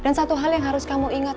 dan satu hal yang harus kamu inget